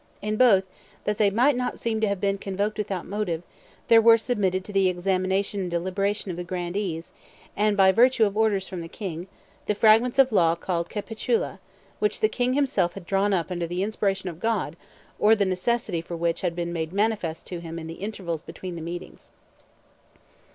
.. In both, that they might not seem to have been convoked without motive, there were submitted to the examination and deliberation of the grandees ... and by virtue of orders from the king, the fragments of law called capitula, which the king himself had drawn up under the inspiration of God or the necessity for which had been made manifest to him in the intervals between the meetings."